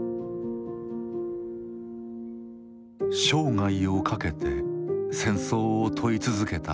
生涯をかけて戦争を問い続けた半藤さん。